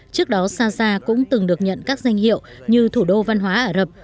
trước đó saza cũng từng được nhận các danh hiệu như thủ đô văn hóa ả rập